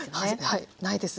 はいないです